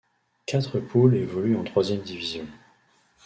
Quatre poules évoluent en troisième division.